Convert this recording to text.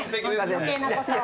余計なことを。